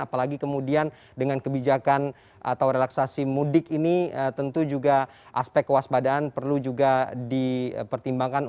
apalagi kemudian dengan kebijakan atau relaksasi mudik ini tentu juga aspek kewaspadaan perlu juga dipertimbangkan